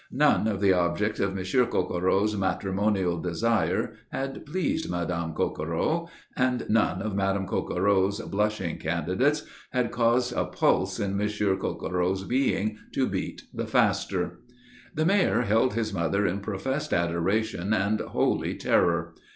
None of the objects of Monsieur Coquereau's matrimonial desire had pleased Madame Coquereau, and none of Madame Coquereau's blushing candidates had caused a pulse in Monsieur Coquereau's being to beat the faster. The Mayor held his mother in professed adoration and holy terror.